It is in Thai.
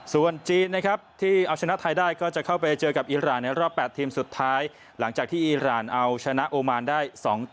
ส่วนจีนนะครับที่เอาชนะไทยได้ก็จะเข้าไปเจอกับอีรานในรอบ๘ทีมสุดท้ายหลังจากที่อีรานเอาชนะโอมานได้๒ต่อ